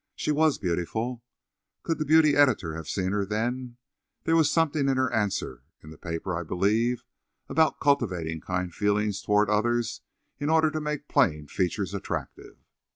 She was beautiful. Could the beauty editor have seen her then! There was something in her answer in the paper, I believe, about cultivating kind feelings toward others in order to make plain features attractive.